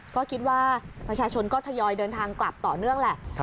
ก็คิดว่าประชาชนก็ทยอยเดินทางกลับต่อเนื่องแหละ